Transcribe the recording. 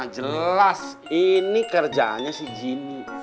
jelas ini kerjaannya si jinny